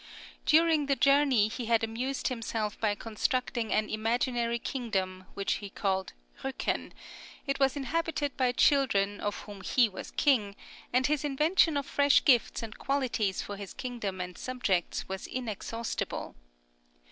During the journey he had amused himself by constructing an imaginary kingdom, which he called Rücken; it was inhabited by children, of whom he was king, and his invention of fresh gifts and qualities for his kingdom and subjects was inexhaustible.